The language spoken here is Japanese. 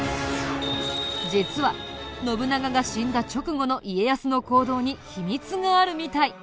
実は信長が死んだ直後の家康の行動に秘密があるみたい。